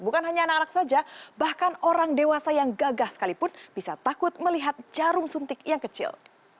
bukan hanya anak anak saja bahkan orang dewasa yang gagah sekalipun bisa takut melihat jarum suntik yang kecil